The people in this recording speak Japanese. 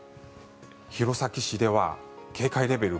弘前市では警戒レベル